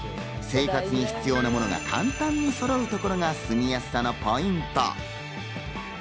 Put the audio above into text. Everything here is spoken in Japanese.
生活に必要なものが簡単にそろうことが住みやすさのポイント。